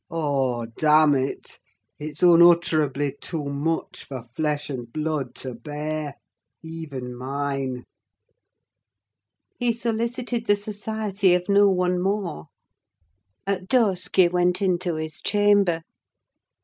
Oh, damn it! It's unutterably too much for flesh and blood to bear—even mine." He solicited the society of no one more. At dusk he went into his chamber.